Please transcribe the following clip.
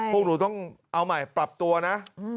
พวกหนูต้องเอาใหม่ปรับตัวนะ